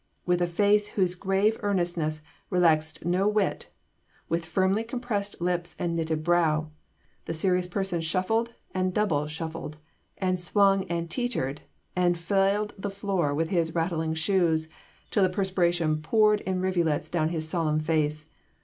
With a face whose grave earnestness relaxed no whit, with firmly compressed lips and knitted brow, the serious person shuffled and double shuffled, and swung and teetered, and flailed the floor with his rattling soles, till the perspiration poured in rivulets down his solemn face.